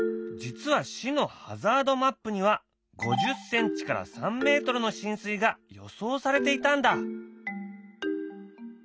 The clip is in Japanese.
実は市のハザードマップには５０センチから３メートルの浸水が予想されていたんだ。